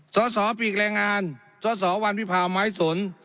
สตปีคแรงงานสตวรณพิพาสไม้สน